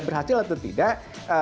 dia berhasil atau tidak